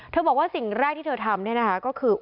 บอกว่าสิ่งแรกที่เธอทำเนี่ยนะคะก็คือ